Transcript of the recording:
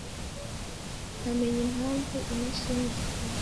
Namenye impamvu imashini idakora.